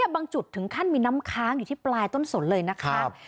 บางจุดถึงขั้นมีน้ำค้างอยู่ที่ปลายต้นสนเลยนะคะ